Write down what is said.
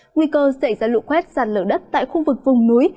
nguy cơ xảy ra lụ quét sạt lở đất tại khu vực vùng núi